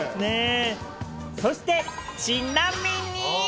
そして、ちなみに。